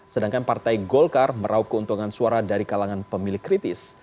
sedangkan partai golkar meraup keuntungan suara dari kalangan pemilih kritis